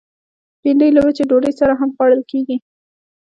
بېنډۍ له وچې ډوډۍ سره هم خوړل کېږي